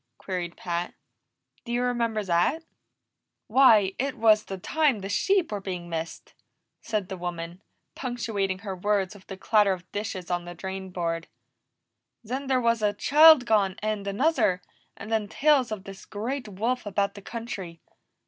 queried Pat. "Do you remember that?" "Why, it was the time the sheep were being missed," said the woman, punctuating her words with the clatter of dishes on the drainboard. "Then there was a child gone, and another, and then tales of this great wolf about the country.